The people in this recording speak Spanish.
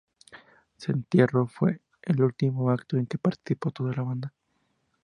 Su entierro fue el último acto en que participó toda la banda.